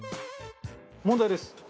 問題です。